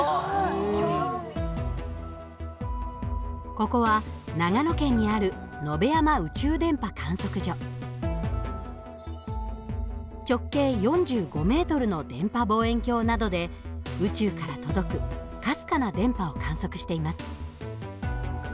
ここは長野県にある直径４５ｍの電波望遠鏡などで宇宙から届くかすかな電波を観測しています。